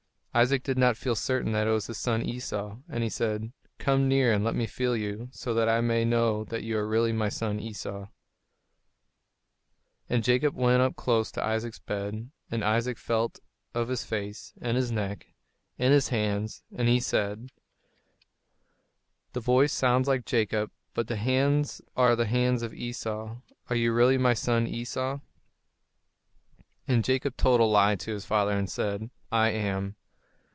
Isaac did not feel certain that it was his son Esau, and he said, "Come near and let me feel you, so that I may know that you are really my son Esau." And Jacob went up close to Isaac's bed, and Isaac felt of his face, and his neck, and his hands, and he said: [Illustration: "May nations bow down to you."] "The voice sounds like Jacob, but the hands are the hands of Esau. Are you really my son Esau?" And Jacob told a lie to his father, and said, "I am."